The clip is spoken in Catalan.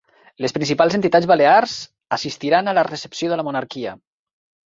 Les principals entitats balears assistiran a la recepció de la monarquia